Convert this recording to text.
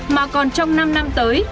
mà còn trong năm năm tới